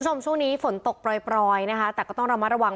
คุณผู้ชมช่วงนี้ฝนตกปล่อยนะคะแต่ก็ต้องระมัดระวัง